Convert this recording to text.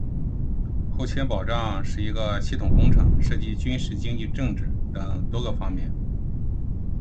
综合性：后勤保障是一个系统工程，涉及军事、经济、政治等多个方面。俄罗斯军队会全面考虑各个方面的因素，确保后勤工作的全面展开。